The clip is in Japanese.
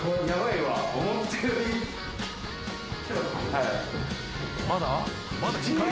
はい。